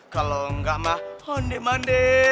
kalau gak mah hondemande